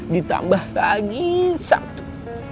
ditambah lagi satu